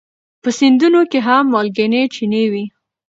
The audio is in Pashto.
په سیندونو کې هم مالګینې چینې وي.